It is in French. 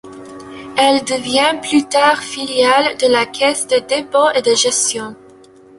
Elle devient plus tard filiale de la Caisse de dépôt et de gestion.